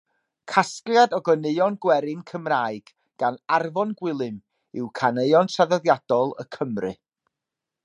Casgliad o ganeuon gwerin Cymraeg gan Arfon Gwilym yw Caneuon Traddodiadol y Cymry.